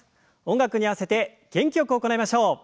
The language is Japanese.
音楽に合わせて元気よく行いましょう。